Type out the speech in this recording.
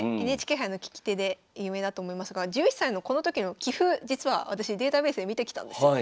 ＮＨＫ杯の聞き手で有名だと思いますが１１歳のこの時の棋譜実は私データベースで見てきたんですよ。